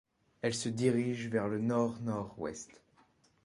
Elle se dirige vers le nord-nord-ouest.